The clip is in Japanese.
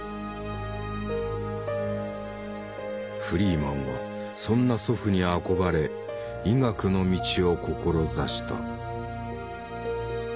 フリーマンはそんな祖父に憧れ医学の道を志した。